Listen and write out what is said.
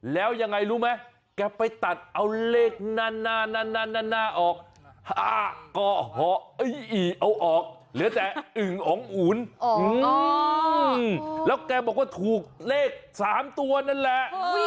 แล้วแกบอกว่าถูกเลข๓ตัวนั่นแหละ